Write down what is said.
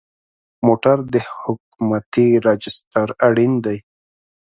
موټر د حکومتي راجسټر اړین دی.